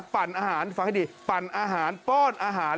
ปั่นอาหารฟังให้ดีปั่นอาหารป้อนอาหาร